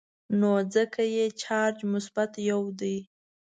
نو ځکه یې چارج مثبت یو دی.